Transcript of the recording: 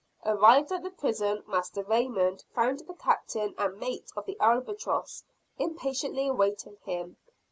Arrived at the prison, Master Raymond found the Captain and mate of the "Albatross" impatiently awaiting him.